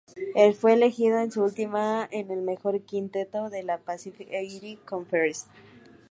Fue elegido en su última en el mejor quinteto de la Pacific Eight Conference.